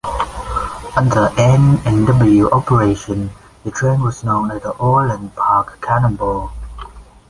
Under N and W operation the train was known as the Orland Park Cannonball.